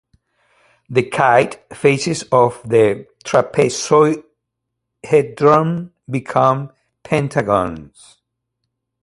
The kite faces of the trapezohedron become pentagons.